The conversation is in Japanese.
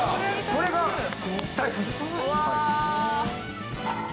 これが台風です。